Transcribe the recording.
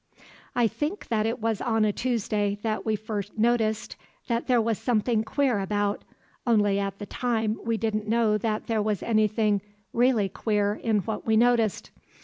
"I think that it was on a Tuesday that we first noticed that there was something queer about, only at the time we didn't know that there was anything really queer in what we noticed.